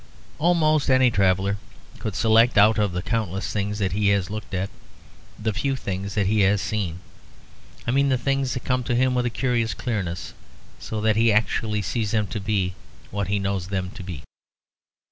Almost any traveller could select out of the countless things that he has looked at the few things that he has seen. I mean the things that come to him with a curious clearness; so that he actually sees them to be what he knows them to be.